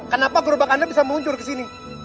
kenapa kerubah anda bisa muncul kesini